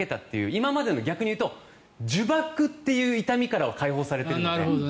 今までの逆に言うと呪縛という痛みからは解放されているので。